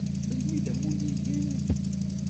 Melmi i d amulli-im?